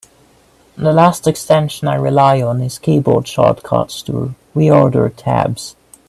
The last extension I rely on is Keyboard Shortcuts to Reorder Tabs.